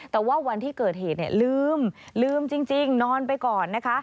แต่ว่าวันที่เกิดเหตุลืมลืมจริงนอนไปก่อนนะคะ